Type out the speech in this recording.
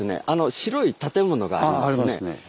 あの白い建物がありますね